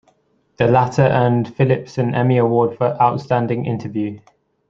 The latter earned Phillips an Emmy Award for Outstanding Interview.